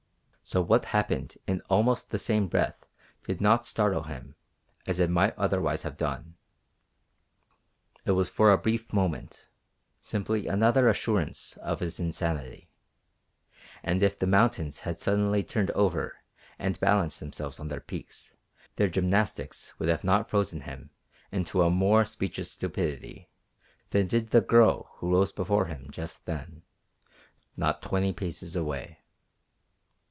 So what happened in almost that same breath did not startle him as it might otherwise have done. It was for a brief moment simply another assurance of his insanity; and if the mountains had suddenly turned over and balanced themselves on their peaks their gymnastics would not have frozen him into a more speechless stupidity than did the Girl who rose before him just then, not twenty paces away.